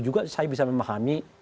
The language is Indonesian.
juga saya bisa memahami